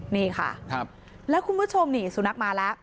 นี่ค่ะแล้วคุณผู้ชมนี่สุนัขมาแล้ว